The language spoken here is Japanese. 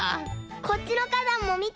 こっちのかだんもみて。